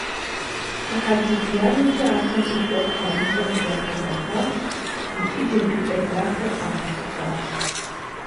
Сыхьэт зыбжанэкӏэ ахэр къикӏуэт ямыщӏэу зэхьэзэхуащ икӏи джэгукӏэ дахэ къагъэлъэгъуащ.